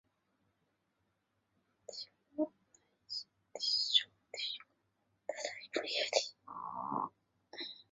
须后水是男性在剃须之后于剃过的部位涂的一种液体。